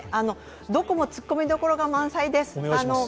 どこもツッコミどころが満載です。